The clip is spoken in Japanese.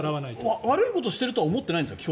悪いことしてると思ってないんですか？